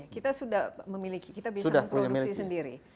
kita sudah memiliki kita bisa memproduksi sendiri